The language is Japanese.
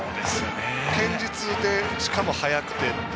堅実で、しかも速くて。